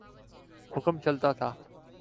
حکم چلتا تھا۔